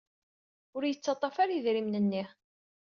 Ur yettaḍḍaf ara idrimen-nni.